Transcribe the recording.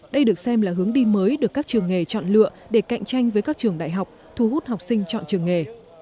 đây được xem là hướng đi mới được các trường nghề chọn lựa để cạnh tranh với các trường đại học thu hút học sinh chọn trường nghề